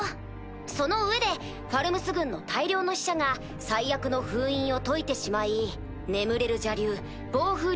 その上でファルムス軍の大量の死者が最悪の封印を解いてしまい眠れる邪竜暴風竜